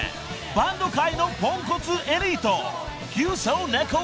［バンド界のポンコツエリート］